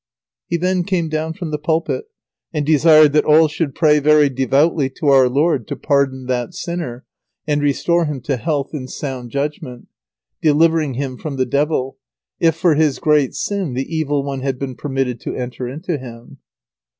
He then came down from the pulpit, and desired that all should pray very devoutly to our Lord to pardon that sinner, and restore him to health and sound judgment, delivering him from the Devil, if, for his great sin, the Evil One had been permitted to enter into him.